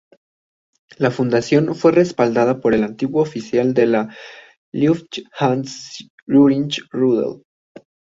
La fundación fue respaldada por el antiguo oficial de la Luftwaffe, Hans-Ulrich Rudel.